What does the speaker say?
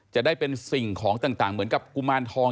จะได้เป็นสิ่งของต่างเหมือนกับกุมารทอง